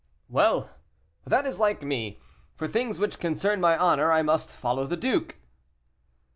"Well! that is like me; for things which concern my honor I must follow the duke."